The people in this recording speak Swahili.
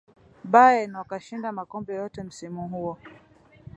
bayern wakashinda makombe yote msimu huo